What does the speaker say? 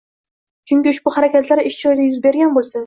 Chunki ushbu harakatlar ish joyida yuz bergan bo‘lsa